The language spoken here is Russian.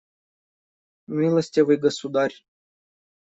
Милостивый государь!